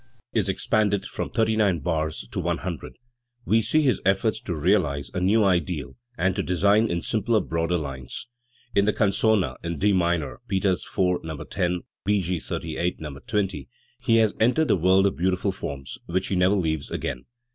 I r ^ V ^, is expanded from thirty nine bars to one hundred, we see his effort to realise a new ideal, and to design in simpler, broader lines. In the canzona in D minor (Peters IV, No. 10 ; E.G. XXXVIII, No. 20), he has entered the world of beautiful forms, which he never leaves again.